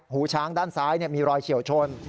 หูช้างด้านซ้ายมีรอยเฉียวชน